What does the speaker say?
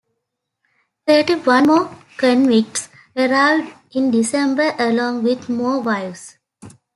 Thirty-one more convicts arrived in December, along with more wives.